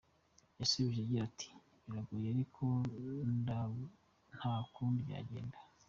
Yasubije agira ati: “Biragoye ariko ntakundi byagenda.